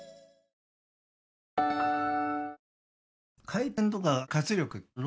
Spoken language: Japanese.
回転とか活力